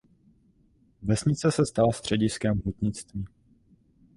Vesnice se stala střediskem hutnictví.